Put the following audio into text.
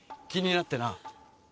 気になってな。